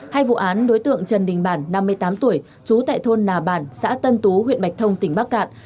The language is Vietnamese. hay vụ án đối tượng trần đình bản năm mươi tám tuổi trú tại thôn nà bản xã tân tú huyện bạch thông tỉnh bắc cạn